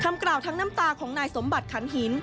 กล่าวทั้งน้ำตาของนายสมบัติขันหิน